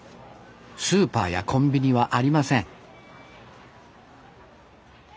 スーパーやコンビニはありません